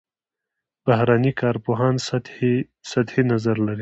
بهرني کارپوهان سطحي نظر لري.